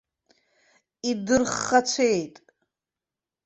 Идырххацәеит.